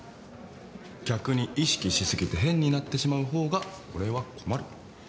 逆に意識し過ぎて変になってしまう方が俺は困る。